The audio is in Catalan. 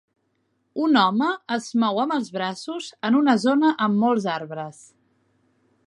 Un home es mou amb els braços en una zona amb molts arbres.